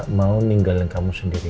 aku gak mau ninggalin kamu sendiri